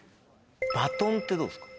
「バトン」ってどうですか？